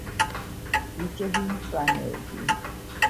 ბიჭები მწვანეები